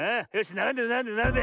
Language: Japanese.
ならんでならんでならんで。